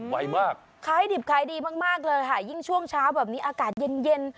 ไวมากขายดิบขายดีมากมากเลยค่ะยิ่งช่วงเช้าแบบนี้อากาศเย็นเย็น